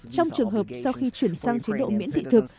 trong trường hợp sau khi chuyển sang chế độ miễn thị thực